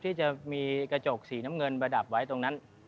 ที่จะมีกระจกสีน้ำเงินประดับไว้ตรงนั้น